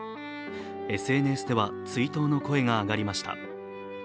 ＳＮＳでは追悼の声が上がりました。